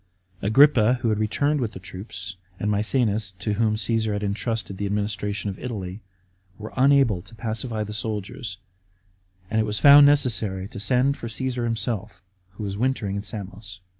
Agrippa, who had returned with the troops, and Maecenas, to whom Caasar had entrusted the administration of Italy, were unable to pacify the soldiers, and it was found necessary to send for Csesar himself, who was wintering in Samos.